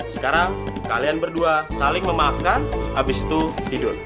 sekarang kalian berdua saling memaafkan habis itu tidur